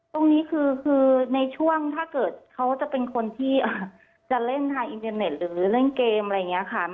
ตรงนี้คือในช่วงถ้าเกิดเขาจะเป็นคนที่จะเล่นทางอินเทอร์เน็ตหรือเล่นเกมอะไรอย่างนี้ค่ะ